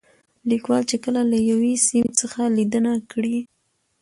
ليکوال چې کله له يوې سيمې څخه ليدنه کړې